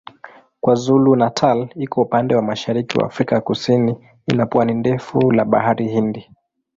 KwaZulu-Natal iko upande wa mashariki wa Afrika Kusini ina pwani ndefu la Bahari Hindi.